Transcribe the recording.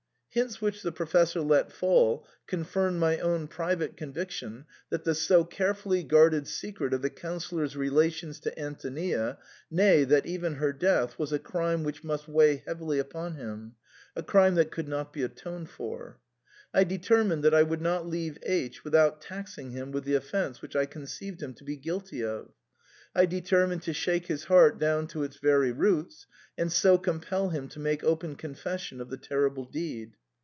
Hints which the Professor let fall confirmed my own private conviction that the so carefully guarded secret of the Councillor's relations to Antonia, nay, that even her death, was a crime which must weigh heavily upon him, a crime that could not be atoned for. I deter mined that I would not leave H without taxing him with the offence which I conceived him to be guilty of ; I determined to shake his heart down to its very roots, and so compel him to make open confession of the terrible deed.